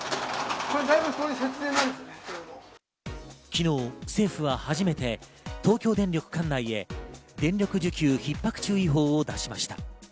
昨日、政府は初めて東京電力管内へ電力需給ひっ迫注意報を出しました。